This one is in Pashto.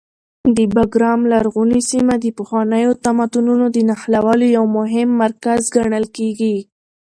د بګرام لرغونې سیمه د پخوانیو تمدنونو د نښلولو یو مهم مرکز ګڼل کېږي.